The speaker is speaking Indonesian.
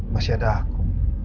masih ada aku